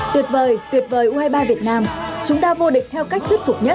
tuyệt vời tuyệt vời u hai mươi ba việt nam chúng ta vô địch theo cách thuyết phục nhất